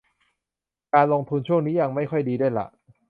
การลงทุนช่วงนี้ยังไม่ค่อยดีด้วยล่ะ